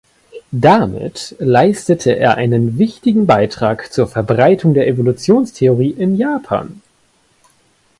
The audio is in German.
Damit leistete er einen wichtigen Beitrag zur Verbreitung der Evolutionstheorie in Japan.